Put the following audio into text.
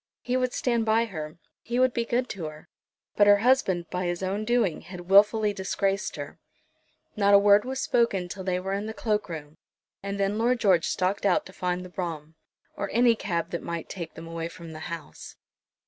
He would stand by her; he would be good to her; but her husband by his own doing had wilfully disgraced her. Not a word was spoken till they were in the cloak room, and then Lord George stalked out to find the brougham, or any cab that might take them away from the house.